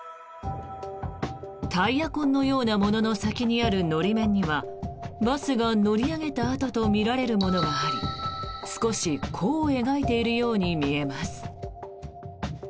タイヤ痕のようなものの先にある法面にはバスが乗り上げた跡とみられるものがあり少し、弧を描いているように見えます。